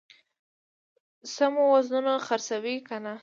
سمو وزنونو خرڅوي کنه.